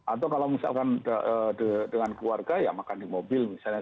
atau kalau misalkan dengan keluarga ya makan di mobil misalnya